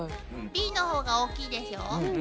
Ｂの方が大きいでしょ。